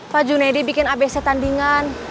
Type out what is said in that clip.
pak junedi bikin abc tandingan